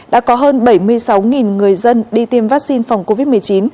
đã có hơn bảy mươi sáu người dân đi tiêm vaccine phòng covid một mươi chín